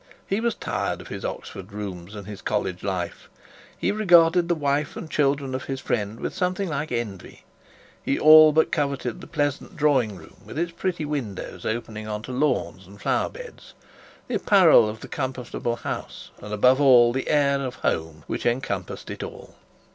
He was tired of his Oxford rooms and his college life. He regarded the wife and children of his friend with something like envy; he all but coveted the pleasant drawing room, with its pretty windows opening on to lawns and flower beds, the apparel of the comfortable house, and above all the air of home which encompassed all.